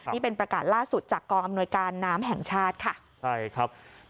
นี่เป็นประกาศล่าสุดจากกองอำนวยการน้ำแห่งชาติค่ะใช่ครับ